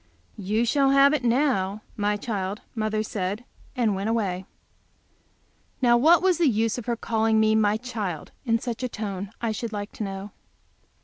"You shall have it now, my child," mother said, and went away. Now what was the use of her calling me "my child" in such a tone, I should like to know.